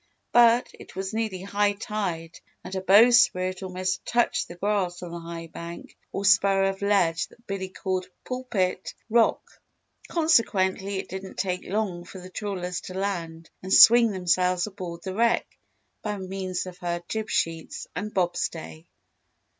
But, it was nearly high tide and her bowsprit almost touched the grass on the high bank, or spur of ledge that Billy called Pulpit Rock. Consequently, it didn't take long for the trawlers to land and swing themselves aboard the wreck by means of her jib sheets and bobstay.